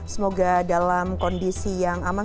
semoga dalam kondisi yang aman